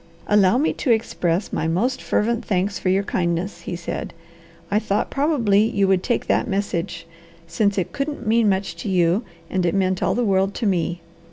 "Allow me to express my most fervent thanks for your kindness," he said. "I thought probably you would take that message, since it couldn't mean much to you, and it meant all the world to me.